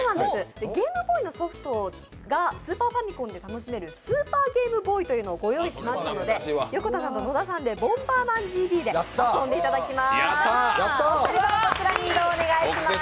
ゲームボーイのソフトをスーパーファミコンで楽しめるスーパーゲームボーイをご用意しましたので、横田さんと野田さんで「ボンバーマンＧＢ」で遊んでいただきます。